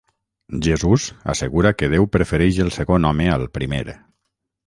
Jesús assegura que Déu prefereix el segon home al primer.